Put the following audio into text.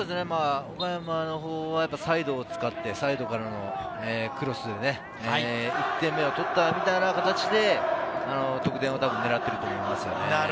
岡山のほうはサイドを使って、サイドからのクロスで、１点目を取ったみたいな形で得点をたぶん狙っていると思います。